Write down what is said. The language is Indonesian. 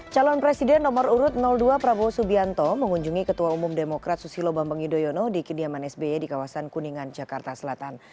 calon presiden nomor urut dua prabowo subianto mengunjungi ketua umum demokrat susilo bambang yudhoyono di kediaman sby di kawasan kuningan jakarta selatan